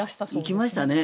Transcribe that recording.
行きましたね。